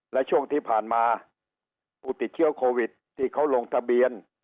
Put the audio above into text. และช่วงที่ผ่านมาผู้ติดเชื้อโควิดที่เขาลงทะเบียน